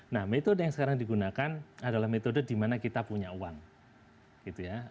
nah metode yang sekarang digunakan adalah metode di mana kita punya uang gitu ya